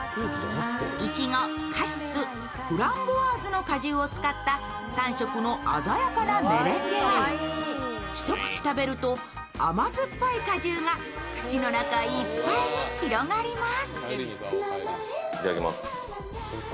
いちご、カシス、フランボワーズの果汁を使った３色の鮮やかなメレンゲや一口食べると甘酸っぱい果汁が口の中いっぱいに広がります。